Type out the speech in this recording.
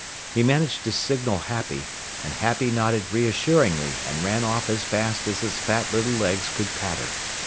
He managed to signal Happy, and Happy nodded reassuringly and ran off as fast as his fat little legs could patter.